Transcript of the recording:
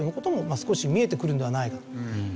少し見えてくるのではないかと。